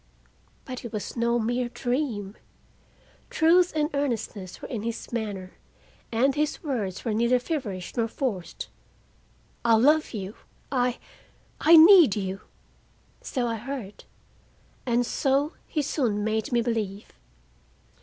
But it was no mere dream. Truth and earnestness were in his manner, and his words were neither feverish nor forced. "I love you I! I need you!" So I heard, and so he soon made me believe.